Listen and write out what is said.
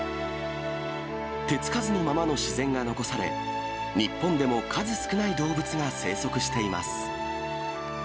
手つかずのままの自然が残され、日本でも数少ない動物が生息しています。